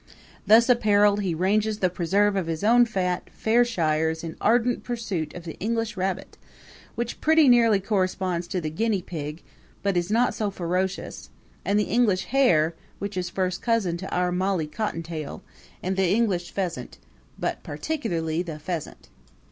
Thus appareled he ranges the preserves of his own fat, fair shires in ardent pursuit of the English rabbit, which pretty nearly corresponds to the guinea pig, but is not so ferocious; and the English hare, which is first cousin to our molly cottontail; and the English pheasant but particularly the pheasant.